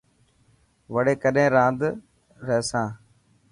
وڙي ڪڏهن راند رحسان.